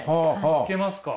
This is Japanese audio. いけますか？